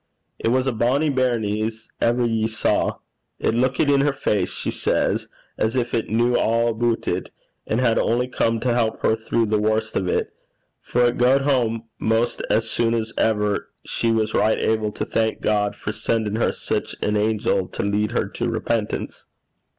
'It was a bonnie bairnie as ever ye saw. It luikit in her face, she says, as gin it kent a' aboot it, and had only come to help her throu the warst o' 't; for it gaed hame 'maist as sune's ever she was richt able to thank God for sen'in' her sic an angel to lead her to repentance.'